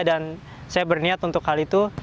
dan saya berniat untuk hal itu